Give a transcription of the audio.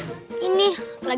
kok dia ngelap